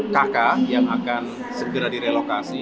kk yang akan segera direlokasi